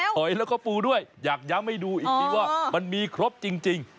หอยแล้วก็ปูด้วยอยากย้ำให้ดูอีกทีว่ามันมีครบจริง